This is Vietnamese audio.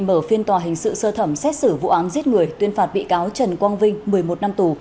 mở phiên tòa hình sự sơ thẩm xét xử vụ án giết người tuyên phạt bị cáo trần quang vinh một mươi một năm tù